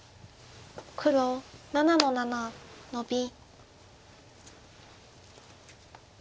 黒７の七ノビ。